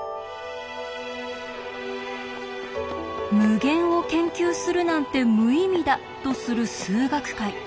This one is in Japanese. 無限を研究するなんて無意味だとする数学界。